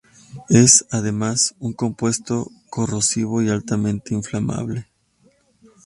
Es, además, un compuesto corrosivo y altamente inflamable.